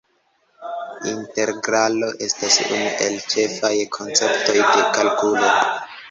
Integralo estas unu el la ĉefaj konceptoj de kalkulo.